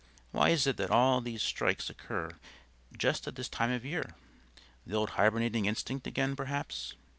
Why is it that all these strikes occur just at this time of year? The old hibernating instinct again, perhaps.